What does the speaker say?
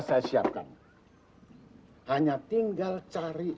saya hanya membeli ella